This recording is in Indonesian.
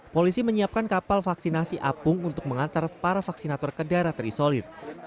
polisi menyiapkan kapal vaksinasi apung untuk mengantar para vaksinator ke daerah terisolir